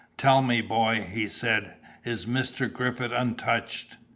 "Tell me, boy," he said, "is Mr. Griffith untouched?